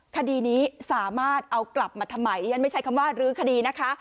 คดีนี้สามารถเอากลับมาทำไมฉันไม่ใช้คำว่ารื้อคดีนะคะ